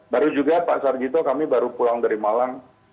baru juga pak sarjito kami baru pulang dari malang